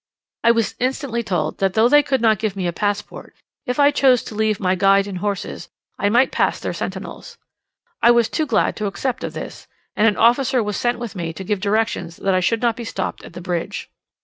I was instantly told that though they could not give me a passport, if I chose to leave my guide and horses, I might pass their sentinels. I was too glad to accept of this, and an officer was sent with me to give directions that I should not be stopped at the bridge.